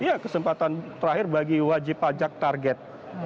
iya kesempatan terakhir bagi wajib pajak target